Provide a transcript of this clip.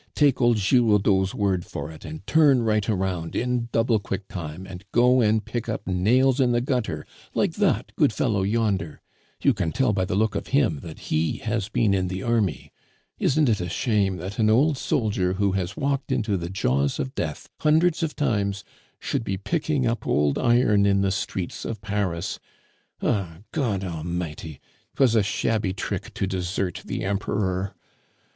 Take old Giroudeau's word for it, and turn right about, in double quick time, and go and pick up nails in the gutter like that good fellow yonder; you can tell by the look of him that he has been in the army. Isn't it a shame that an old soldier who has walked into the jaws of death hundreds of times should be picking up old iron in the streets of Paris? Ah! God A'mighty! 'twas a shabby trick to desert the Emperor.